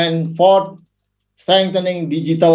dan ketiga memperkuat ekonomi digital